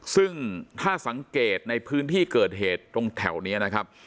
ซึ่งถ้าสังเกตในพื้นที่เกิดเหตุตรงแถวนี้นะครับ